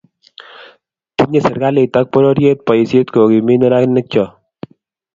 Tinyei serkalit ak pororiet boisiet kokimit neranikcho